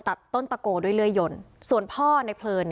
กลับไปกับช่วยกันงัดไม่ไหวนะ